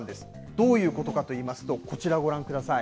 どういうことかといいますと、こちらをご覧ください。